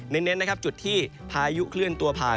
เน้นนะครับจุดที่พายุเคลื่อนตัวผ่าน